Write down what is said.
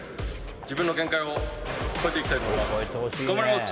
自分の限界を超えていきたいと思います。